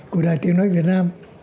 của đài tiếng nói việt nam